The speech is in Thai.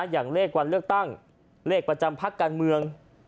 อย่างเลขวันเลือกตั้งเลขประจำพักการเมือง